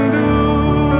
aku masih yakin